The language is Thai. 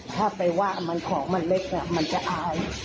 ถ้าไปว่ามันของมันเล็กมันจะอาย